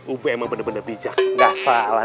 ube emang bener bener bijak nggak salah